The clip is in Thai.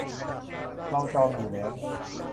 เราจองอยู่แล้ว